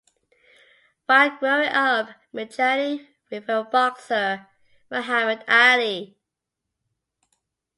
While growing up, Medjani revered boxer Muhammad Ali.